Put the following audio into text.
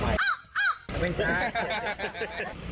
จะเก็บเอาไว้เพื่อจะไป